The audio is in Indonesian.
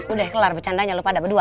udah kelar becandanya lu pada berdua